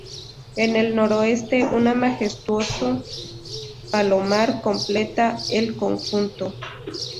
En el noroeste, una majestuoso palomar completa el conjunto.